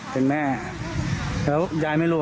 เขาเอาโทรศัพท์ถ่ายแค่นี้